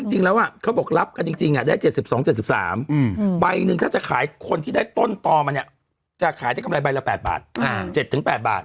จริงแล้วเขาบอกรับกันจริงได้๗๒๗๓ใบหนึ่งถ้าจะขายคนที่ได้ต้นต่อมาเนี่ยจะขายได้กำไรใบละ๘บาท๗๘บาท